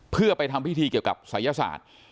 เพื่อไปทำพิธีเกี่ยวกับศัยศาสตร์